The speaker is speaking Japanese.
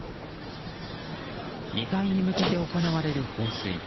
２階に向けて行われる放水。